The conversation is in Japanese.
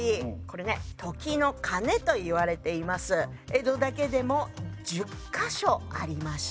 江戸だけでも１０か所ありました。